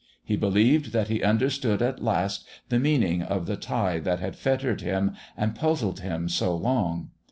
He believed that he understood at last the meaning of the tie that had fettered him and puzzled him so long.